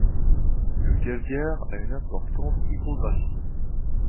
Le Guaviare a une importante hydrographie.